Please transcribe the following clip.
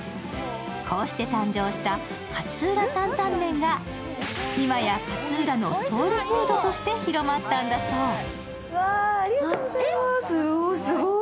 こうして誕生した勝浦タンタンメンが今や勝浦のソウルフードとして広まったんだそう。